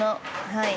はい。